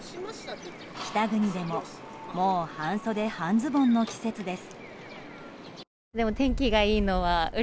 北国も、もう半袖半ズボンの季節です。